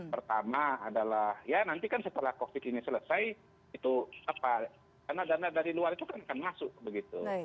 pertama adalah ya nanti kan setelah covid ini selesai itu apa karena dana dari luar itu kan akan masuk begitu